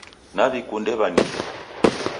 Naw'ikunde w'anidu